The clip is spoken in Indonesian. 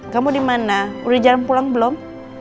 kamu di mana udah jalan pulang belum